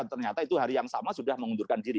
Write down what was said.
ternyata itu hari yang sama sudah mengundurkan diri